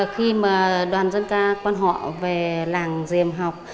khi mà đoàn dân ta quan họ về làng diềm học